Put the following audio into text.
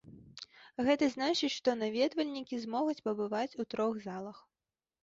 Гэта значыць, што наведвальнікі змогуць пабываць у трох залах.